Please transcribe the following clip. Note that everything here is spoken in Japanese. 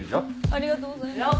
ありがとうございます。